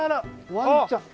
ワンちゃんが。